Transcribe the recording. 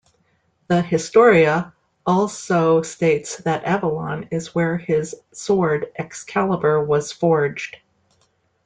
The "Historia" also states that Avalon is where his sword Excalibur was forged.